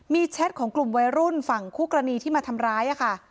มีแชทของกลุ่มวัยรุ่นฝั่งคู่กรณีที่มาทำร้ายค่ะ